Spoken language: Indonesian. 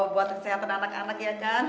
buat kesehatan anak anak ya kan